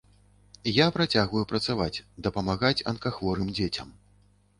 Я працягваю працаваць, дапамагаць анкахворым дзецям.